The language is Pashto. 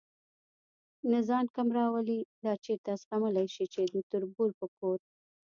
نه ځان کم راولي، دا چېرته زغملی شي چې د تربور په کور.